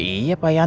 dia juga punya tim